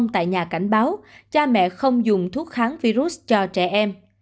tại nhà cảnh báo cha mẹ không dùng thuốc kháng virus cho trẻ em